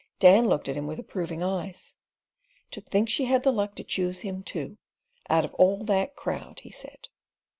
Dan looked at him with approving eyes. "To think she had the luck to choose him too, out of all that crowd," he said.